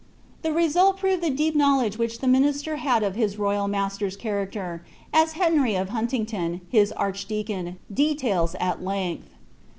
"" The result proved the deep knowledge which the minister liad of his royal roaster's chaiacter, as Henry of Huntingdon, his archdeacon, de tails at length.